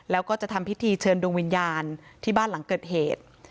แล้วก็จะทำพิธีเชิญดวงวิญญาณที่บ้านหลังเกิดเหตุ